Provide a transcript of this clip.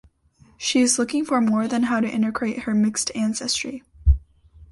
She is looking for more than how to integrate her mixed ancestry.